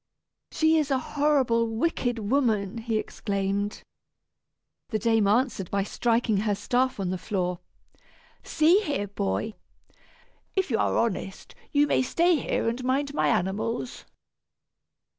"She is a horrible wicked woman!" he exclaimed. The dame answered by striking her staff on the floor. "See here, boy, if you are honest, you may stay here and mind my animals."